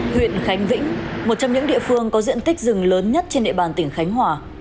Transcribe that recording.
huyện khánh vĩnh một trong những địa phương có diện tích rừng lớn nhất trên địa bàn tỉnh khánh hòa